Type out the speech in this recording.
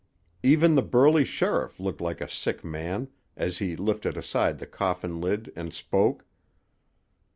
Even the burly sheriff looked like a sick man, as he lifted aside the coffin lid and spoke.